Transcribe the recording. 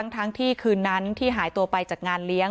ทั้งที่คืนนั้นที่หายตัวไปจากงานเลี้ยง